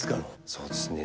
そうですね。